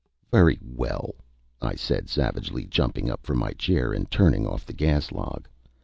"Very well," I said, savagely, jumping up from my chair and turning off the gas log.